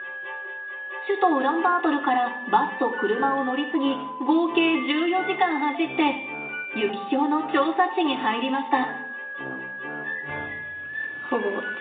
首都ウランバートルからバスと車を乗り継ぎ合計１４時間走ってユキヒョウの調査地に入りました。